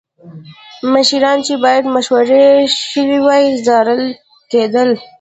مشیران چې باید مشوره شوې وای څارل کېدل